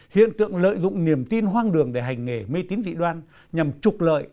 hiện tượng lợi dụng niềm tin hoang đường để hành nghề mê tín dị đoan nhằm trục lợi